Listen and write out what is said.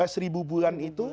seribu bulan itu